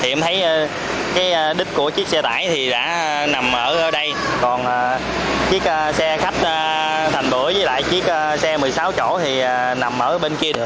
em thấy đích của chiếc xe tải đã nằm ở đây còn chiếc xe khách thành đuổi với chiếc xe một mươi sáu chỗ nằm ở bên kia